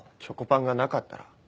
チョコパンがなかったら？